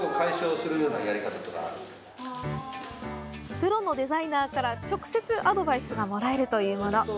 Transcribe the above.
プロのデザイナーから直接アドバイスがもらえるというもの。